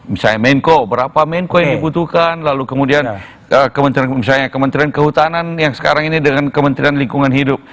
misalnya menko berapa menko yang dibutuhkan lalu kemudian misalnya kementerian kehutanan yang sekarang ini dengan kementerian lingkungan hidup